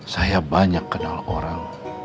saya banyak kenal orang